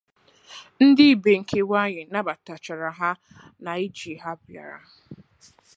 ndị be nke nwaayị nabatachaa ha na ije ha bịara